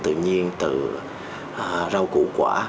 tự nhiên từ rau củ quả